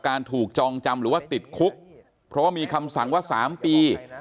การถูกจองจำหรือว่าติดคุกเพราะว่ามีคำสั่งว่า๓ปี